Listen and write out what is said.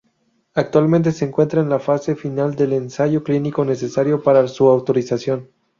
Actualmente se encuentra en la fase final del Ensayo Clínico necesario para su autorización.